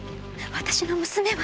私の娘は？